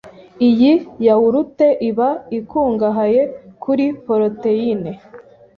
Iyi yawurute iba ikungahaye kuri poroteyine